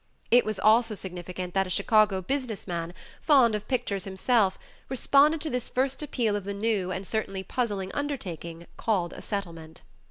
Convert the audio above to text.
It was also significant that a Chicago business man, fond of pictures himself, responded to this first appeal of the new and certainly puzzling undertaking called a Settlement.